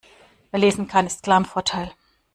Wer lesen kann, ist klar im Vorteil.